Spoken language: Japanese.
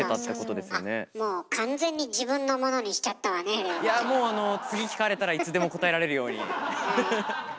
あっもういやもう次聞かれたらいつでも答えられるように。